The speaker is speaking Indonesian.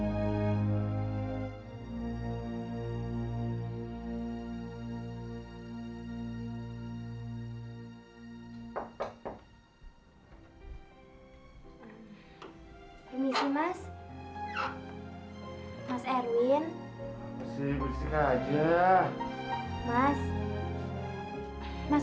aku tak tahu kenapa